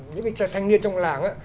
những cái thanh niên trong cái làng